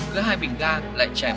cứa hai bình ga lại chèm